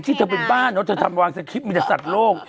นี่อย่างที่เธอเป็นบ้านเนอะเธอทำวางสัตว์คลิปมีแต่สัตว์โลก